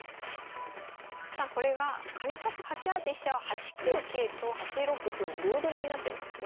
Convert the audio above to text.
さあこれがかりんさんの８八飛車は８九桂と８六歩の両取りになってますね。